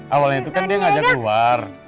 awalnya itu kan dia ngajak keluar